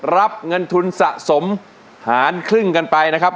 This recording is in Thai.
รับเงินทุนสะสมหารครึ่งกันไปนะครับ